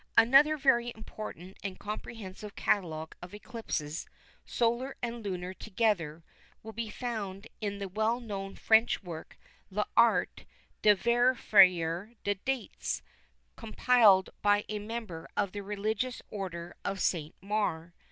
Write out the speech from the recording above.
Another very important and comprehensive catalogue of eclipses, solar and lunar together, will be found in the well known French work, L'Art de vérifier les Dates, compiled by a member of the religious order of St. Maur.